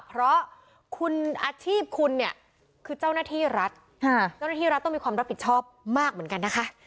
เพราะคุณอาชีพคุณเนี่ยคือเจ้าหน้าที่รัฐเจ้าหน้าที่รัฐต้องมีความรับผิดชอบมากเหมือนกันนะคะ